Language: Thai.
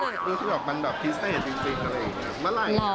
พูดไปเรื่อยมันแบบพิเศษจริงอะไรอย่างนี้